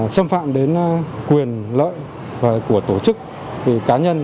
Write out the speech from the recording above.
xâm phạm đến quyền lợi của tổ chức của cá nhân